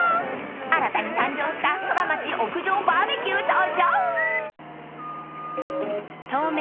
［新たに誕生したソラマチ屋上バーベキュー登場］